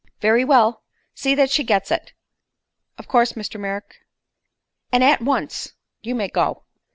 "Very well; see that she gets it." "Of course, Mr. Merrick." "And at once. You may go."